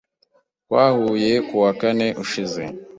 Twahuye kuwa kane ushize.